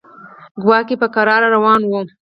کواګې په کراره روان و.